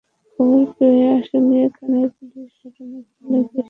খবর পেয়ে আশুলিয়া থানার পুলিশ ঘটনাস্থলে গিয়ে শিক্ষার্থীদের সড়ক থেকে সরিয়ে দেয়।